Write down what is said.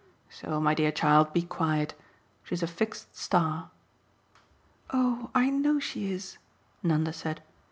So, my dear child, be quiet. She's a fixed star." "Oh I know she is," Nanda said.